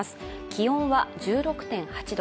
気温は１６．８度